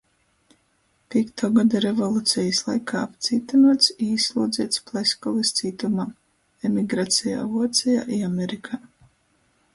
Pīktuo goda revolucejis laikā apcītynuots i īslūdzeits Pleskovys cītumā, emigracejā Vuocejā i Amerikā.